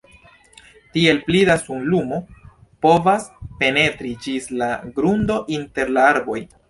Tiel pli da sunlumo povas penetri ĝis la grundo inter la arboj.